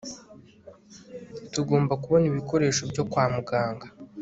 tugomba kubona ibikoresho byo kwa muganga